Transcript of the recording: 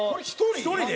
１人で？